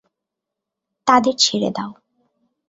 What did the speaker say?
তাদের ছেড়ে দাও।